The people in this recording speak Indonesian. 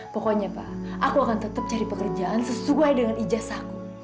pokoknya pa aku akan tetep cari pekerjaan sesuai dengan ijazahku